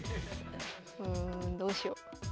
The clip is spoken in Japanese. うんどうしよう。